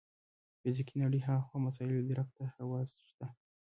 فزیکي نړۍ هاخوا مسایلو درک ته حواس شته.